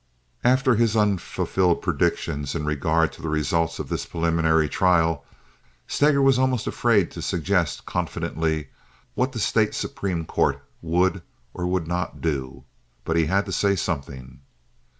After his unfulfilled predictions in regard to the result of this preliminary trial Steger was almost afraid to suggest confidently what the State Supreme Court would or would not do; but he had to say something.